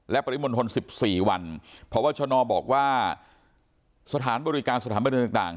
และปริมณฑล๑๔วันเพราะว่าชนบอกว่าสถานบริการสถานบริเวณต่าง